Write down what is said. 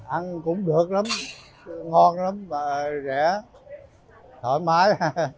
ăn cũng được lắm ngon lắm rẻ thoải mái